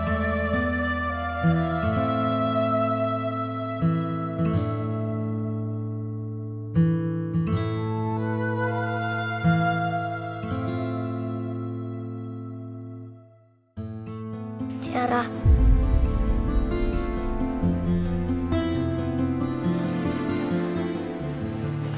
aku mau cerita sama kamu